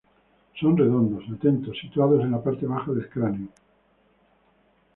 Son redondos, atentos, situados en la parte baja del cráneo.